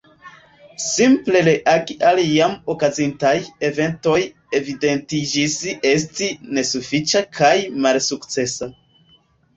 Simple reagi al jam okazintaj eventoj evidentiĝis esti nesufiĉa kaj malsukcesa.